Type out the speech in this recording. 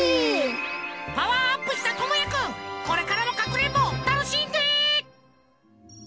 パワーアップしたともやくんこれからもかくれんぼたのしんで！